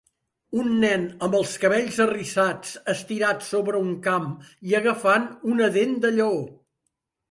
Un nen amb els cabells arrissats estirat sobre un camp i agafant una dent de lleó.